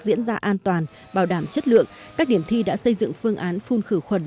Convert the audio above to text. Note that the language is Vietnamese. diễn ra an toàn bảo đảm chất lượng các điểm thi đã xây dựng phương án phun khử khuẩn